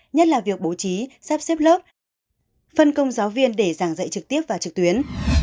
nhất là việc bố trí sắp xếp lớp phân công giáo viên để giảng dạy trực tiếp và trực tuyến